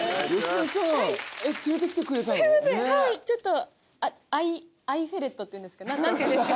ちょっと愛フェレットっていうんですか？